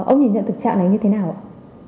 ông nhìn nhận thực trạng này như thế nào ạ